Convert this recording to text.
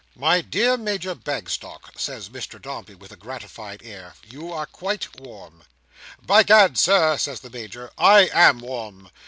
"My dear Major Bagstock," says Mr Dombey, with a gratified air, "you are quite warm." "By Gad, Sir," says the Major, "I am warm.